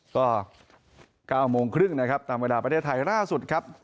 ก็๙โมงครึ่งนะครับตามเวลาประเทศไทยล่าสุดครับ